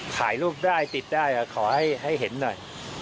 ถ่ายรูปได้ติดได้ขอให้เห็นหน่อย